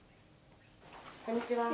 こんにちは。